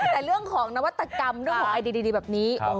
แต่เรื่องของนวัตกรรมเรื่องของไอเดียดีแบบนี้